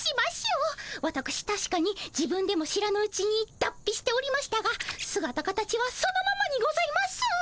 わたくしたしかに自分でも知らぬうちにだっぴしておりましたがすがた形はそのままにございます。